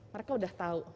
mereka udah tau